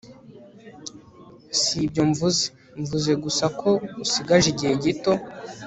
si ibyo mvuze. mvuze gusa ko usigaje igihe gito